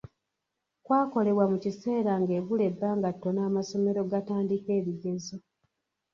Kwakolebwa mu kiseera ng’ebula ebbanga ttono amasomero gatandike ebigezo.